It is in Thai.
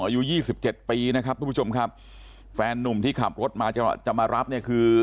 อายุยี่สิบเจ็ดปีนะครับทุกผู้ชมครับแฟนนุ่มที่ขับรถมาจะมารับเนี่ยคือ